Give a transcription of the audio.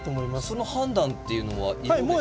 その判断っていうのは色ですか？